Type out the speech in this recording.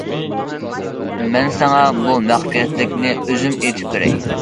مەن ساڭا بۇ مەخپىيەتلىكنى ئۆزۈم ئېيتىپ بېرەي.